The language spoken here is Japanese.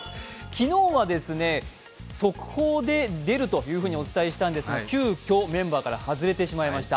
昨日は速報で「出る」とお伝えしたんですが、急きょメンバーから外れてしまいました。